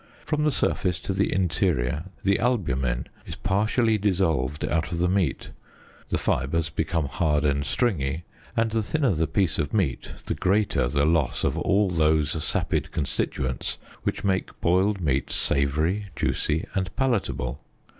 From the surface to the interior the albumen is partially dissolved out of the meat, the fibres become hard and stringy, and the thinner the piece of meat the greater the loss of all those sapid constituents which make boiled meat savoury, juicy and palatable.